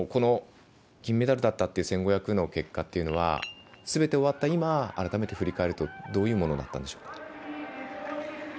銀メダルだったという１５００の結果というのはすべて終わった今改めて振り返るとどういうものだったんでしょう？